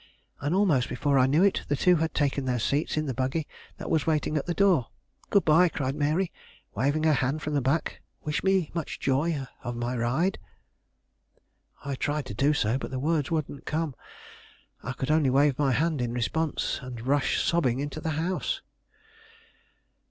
And, almost before I knew it, the two had taken their seats in the buggy that was waiting at the door. "Good by," cried Mary, waving her hand from the back; "wish me much joy of my ride." I tried to do so, but the words wouldn't come. I could only wave my hand in response, and rush sobbing into the house.